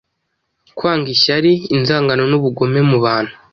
Kwanga ishyari inzangano n’ubugome mubantu